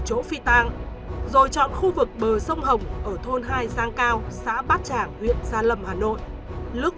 chỗ phi tang rồi chọn khu vực bờ sông hồng ở thôn hai giang cao xã bát tràng huyện gia lâm hà nội lúc